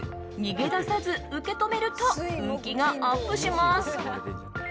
逃げ出さず受け止めると運気がアップします。